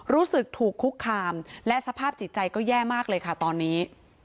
รู้สึกถูกคุกคามและสภาพจิตใจก็แย่มากเลยค่ะตอนนี้